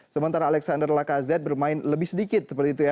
sementara alexander lacazette bermain lebih sedikit seperti itu ya